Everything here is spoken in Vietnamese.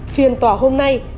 phiền tòa hôm nay